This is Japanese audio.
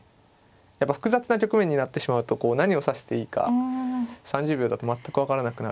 やっぱ複雑な局面になってしまうと何を指していいか３０秒だと全く分からなくなる時があるので。